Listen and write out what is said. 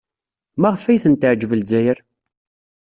Maɣef ay ten-teɛjeb Lezzayer?